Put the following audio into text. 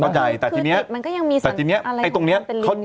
เข้าใจแต่ทีนี้แต่ทีนี้ไอ้ตรงนี้